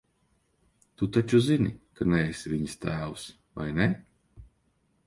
Tu taču zini, ka neesi viņas tēvs, vai ne?